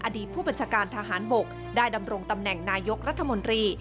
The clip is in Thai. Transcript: อดีตผู้บัญชาการทหารบกได้ดำรงตำแหน่งนายกรัฐมนตรี